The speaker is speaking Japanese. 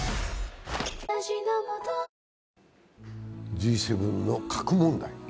Ｇ７の核問題。